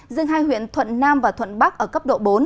riêng hai huyện thuận nam và thuận bắc ở cấp độ bốn